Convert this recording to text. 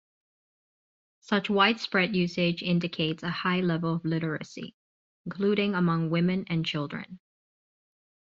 Such widespread usage indicates a high level of literacy, including among women and children.